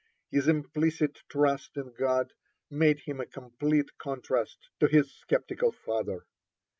(29) His implicit trust in God made him a complete contrast to his skeptical father.